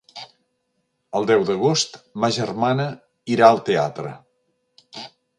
El deu d'agost ma germana irà al teatre.